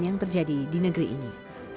yang terjadi di negeri ini